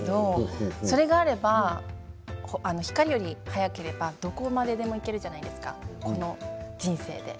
それがあれば光より速ければどこまででも行けるじゃないですか、この人生で。